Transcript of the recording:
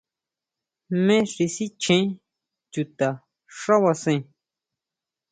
¿Jme xi sichjén chuta xá basén?